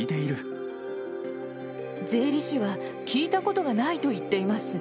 税理士は聞いたことがないと言っています。